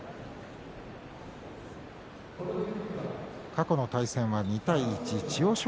過去の対戦は２対１千代翔